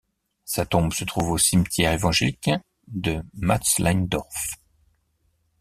Sa tombe se trouve au Cimetière évangélique de Matzleinsdorf.